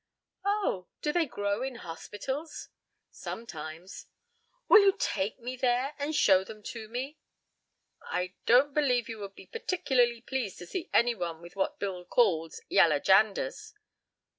"Oh, do they grow in hospitals?" "Sometimes." "Will you take me there and show them to me?" "I don't believe you would be particularly pleased to see anyone with what Bill calls 'yaller janders.'"